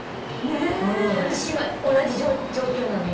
私今同じ状況なの。